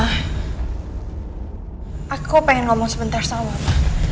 aku pengen ngomong sebentar sama mbak